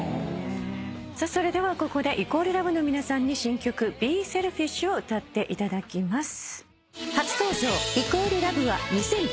それではここで＝ＬＯＶＥの皆さんに新曲『ＢｅＳｅｌｆｉｓｈ』を歌っていただきます。